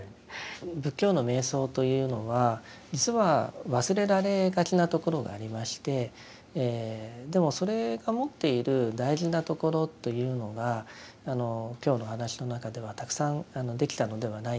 仏教の瞑想というのは実は忘れられがちなところがありましてでもそれが持っている大事なところというのが今日の話の中ではたくさんできたのではないかなと思います。